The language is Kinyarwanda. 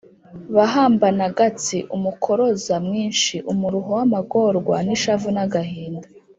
bahambana Gatsi umukoroza mwinshi (umuruho w'amagorwa n'ishavu n'agahinda).